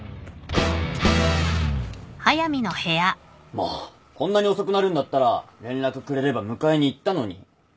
もうこんなに遅くなるんだったら連絡くれれば迎えに行ったのに。